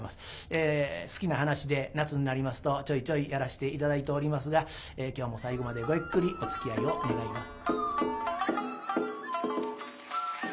好きな噺で夏になりますとちょいちょいやらして頂いておりますが今日も最後までごゆっくりおつきあいを願います。